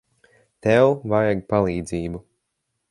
Tev vajag palīdzību.